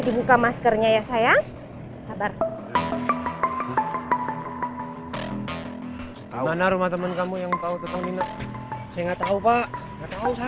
dibuka maskernya ya sayang sabar mana rumah temen kamu yang tahu tentang ini saya nggak tahu pak